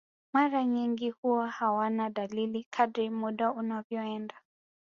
Mara nyingi huwa hawana dalili kadri muda unavyoenda